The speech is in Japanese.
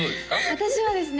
私はですね